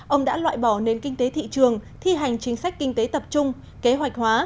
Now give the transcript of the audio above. ông đã loại bỏ nền kinh tế thị trường thi hành chính sách kinh tế tập trung kế hoạch hóa